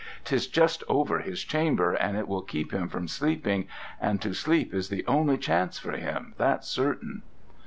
'Tis just over his chamber, and will keep him from sleeping, and to sleep is the only chance for him, that's certain."